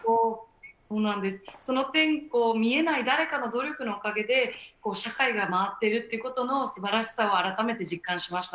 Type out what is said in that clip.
その点、見えない誰かの努力のおかげで社会が回っているということのすばらしさを改めて実感しました。